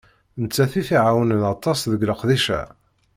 Nettat i t-iεewnen aṭas deg leqdic-a.